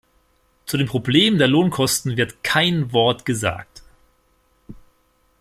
Zu dem Problem der Lohnkosten wird kein Wort gesagt.